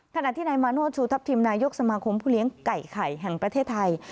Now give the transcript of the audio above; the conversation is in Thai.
ขณะที่นายมาโนธชูทัพทิมนายกสมาคมผู้เลี้ยงไก่ไข่แห่งประเทศไทย